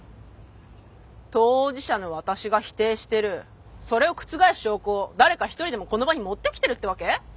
当事者の私が否定してるそれを覆す証拠を誰か一人でもこの場に持ってきてるってわけ？